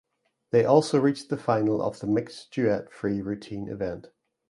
They also reached the final of the mixed duet free routine event.